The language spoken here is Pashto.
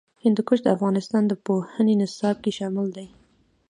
هندوکش د افغانستان د پوهنې نصاب کې شامل دي.